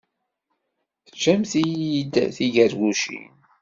Tgamt-iyi-d tigargucin.